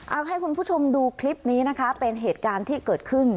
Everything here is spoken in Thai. เอาให้คุณผู้ชมดูคลิปนี้นะคะเป็นเหตุการณ์ที่เกิดขึ้น